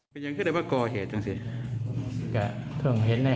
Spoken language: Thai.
เป็นอย่างคิดไหมว่ากอเหตุนะซิ